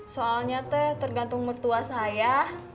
soalnya tuh tergantung mertua saya